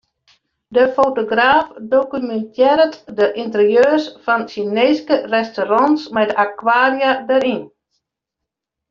De fotograaf dokumintearret de ynterieurs fan Sjineeske restaurants mei de akwaria dêryn.